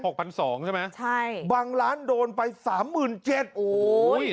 พันสองใช่ไหมใช่บางร้านโดนไปสามหมื่นเจ็ดโอ้ย